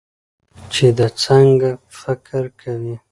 چې د څنګه فکر کوي